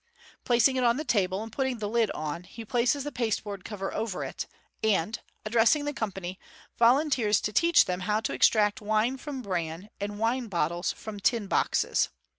Placing it on the table, and putting the lid on, he places the pasteboard cover over it, and, addressing the company, volunteers to teach them how to extract wine from bran, and wine bottles from tin boxes.